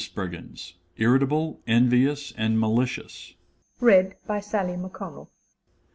SPRIGGINS _(irritable, envious, and malicious).